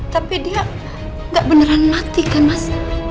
tapi dia nggak beneran mati kan mas